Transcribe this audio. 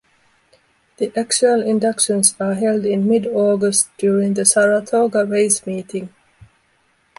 The actual inductions are held in mid-August during the Saratoga race meeting.